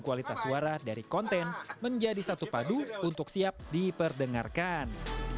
kualitas suara dari konten menjadi satu padu untuk siap diperdengarkan